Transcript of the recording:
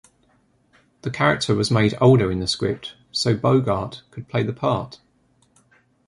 The character was made older in the script so Bogart could play the part.